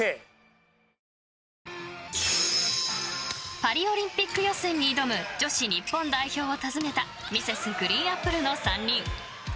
パリオリンピック予選に挑む日本女子代表を訪ねたＭｒｓ．ＧＲＥＥＮＡＰＰＬＥの３人。